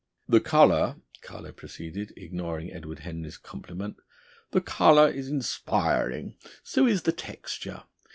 "The colour," Carlo proceeded, ignoring Edward Henry's compliment, "the colour is inspiring. So is the texture.